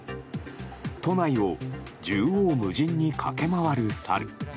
都内を縦横無尽に駆け回るサル。